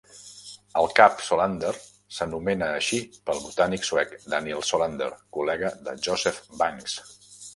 El Cap Solander s'anomena així pel botànic suec Daniel Solander, col·lega de Joseph Banks.